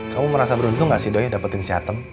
kamu merasa beruntung gak sih doi dapetin si atem